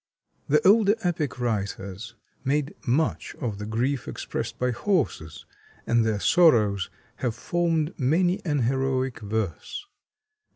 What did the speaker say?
The older epic writers made much of the grief expressed by horses, and their sorrows have formed many an heroic verse.